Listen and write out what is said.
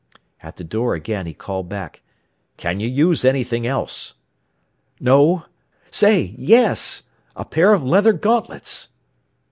At the door again, he called back. "Can you use anything else?" "No Say, yes! A pair of leather gauntlets."